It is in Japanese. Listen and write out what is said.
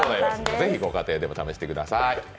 ぜひご家庭でも試してみてください。